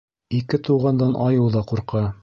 Ике туғандан айыу ҙа ҡурҡа.